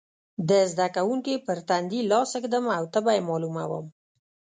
د زده کوونکي پر تندې لاس ږدم او تبه یې معلوموم.